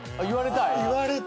言われたい。